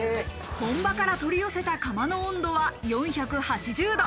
本場から取り寄せた窯の温度は４８０度。